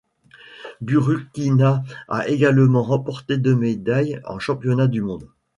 Burukhina a également remporté deux médailles en championnats du monde.